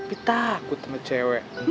tapi takut sama cewek